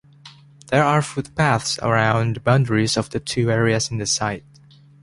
There are footpaths around the boundaries of the two areas in the site.